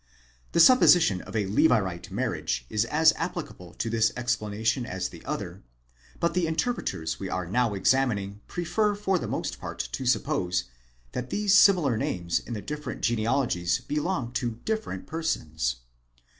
The supposition of a Levirate marriage is as applicable to this explanation as the other, but the interpreters we are now examining prefer for the most part to suppose, that these similar names in the different genealogies belong to different persons.